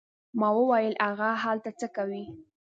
ما وویل: هغه هلته څه کوي؟